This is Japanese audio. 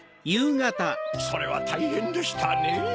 それはたいへんでしたねぇ。